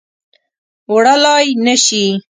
وړلای نه شي